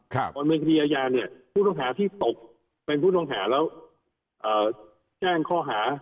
บริเวณคดีอาญาเนี่ยผู้ต้องหาที่ตกเป็นผู้ต้องหาแล้วแจ้งข้อหา